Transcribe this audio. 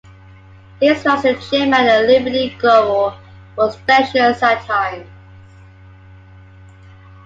His rise to chairman at Liberty Global was contentious at times.